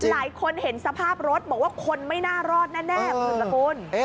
หลายคนเห็นสภาพรถบอกว่าคนไม่น่ารอดแน่คุณสกุล